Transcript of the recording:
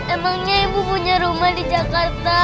emangnya ibu punya rumah di jakarta